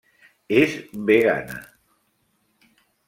És vegana.